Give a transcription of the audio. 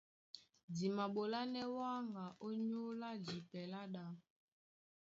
Di maɓolánɛ́ wáŋga ónyólá jipɛ lá ɗá.